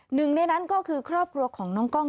หนึ่งในนั้นก็คือครอบครัวของน้องกล้อง